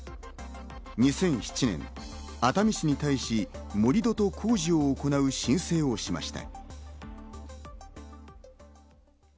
２００７年、熱海市に対し、盛り土の工事を行う申請を行いました。